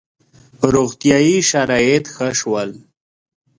• روغتیايي شرایط ښه شول.